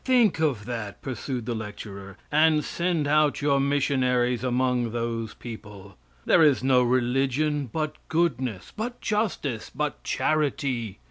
Think of that, pursued the lecturer, and send out your missionaries among those people. There is no religion but goodness, but justice, but charity.